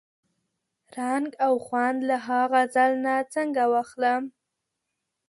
رنګ او خوند له ها غزل نه څنګه واخلم؟